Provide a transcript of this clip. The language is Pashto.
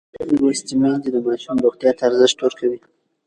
لوستې میندې د ماشوم روغتیا ته ارزښت ورکوي.